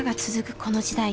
この時代。